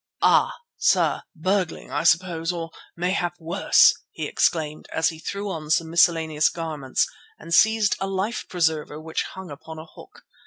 "Ah! sir, burgling, I suppose, or mayhap worse," he exclaimed as he threw on some miscellaneous garments and seized a life preserver which hung upon a hook.